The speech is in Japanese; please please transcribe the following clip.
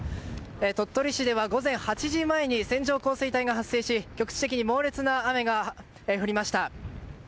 鳥取市では午前８時前に線状降水帯が発生し局地的に猛烈な雨が降りました。